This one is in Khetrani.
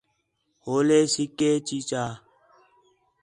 ہولے سِکّے چی چا